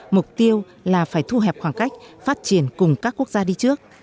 mục tiêu là phải thu hẹp khoảng cách phát triển cùng các quốc gia đi trước